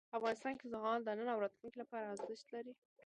افغانستان کې زغال د نن او راتلونکي لپاره ارزښت لري.